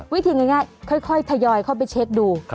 วิธีง่ายค่อยทยอยเข้าไปเช็คดู